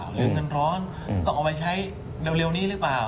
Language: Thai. หรือเงินร้อนต้องเอามาใช้เร็วนี้หรือเปล่า